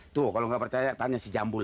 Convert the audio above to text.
tuh kalau nggak percaya tanya si jambul